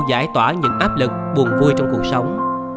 để cô giải tỏa những áp lực buồn vui trong cuộc sống